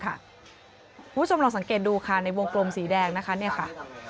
คุณผู้ชมลองสังเกตดูค่ะในวงกลมสีแดงนะคะเนี่ยค่ะ